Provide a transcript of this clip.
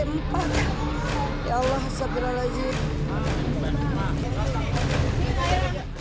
ya allah sabirah lagi